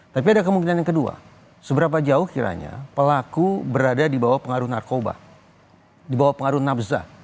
tapi ada kemungkinan yang kedua seberapa jauh kiranya pelaku berada di bawah pengaruh narkoba di bawah pengaruh nafsa